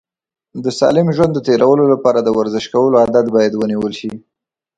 د سالم ژوند د تېرولو لپاره د ورزش کولو عادت باید ونیول شي.